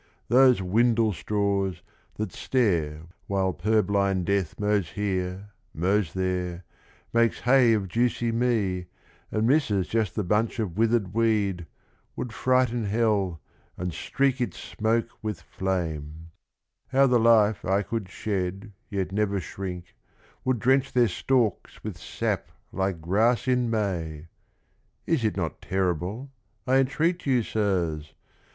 Those windlestraws that stare while purblind death Mows here, mows there, makes hay of juicy me, And misses just the bunch of withered weed, Would frighten hell and streak its smoke with flame 1 How the life I could shed yet never shrink, Would drench their stalks with sap like grass in May I Is it not terrible, I entreat you, Sirs?